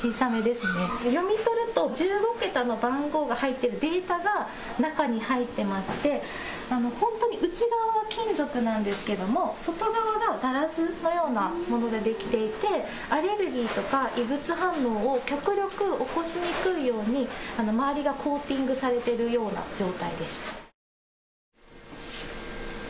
読み取ると１５桁の番号が入っているデータが中に入っていまして内側は金属なんですが外側はガラスのようなものでできていて、アレルギーとか異物反応を極力起こしにくいように周りがコーティングされているような状態です。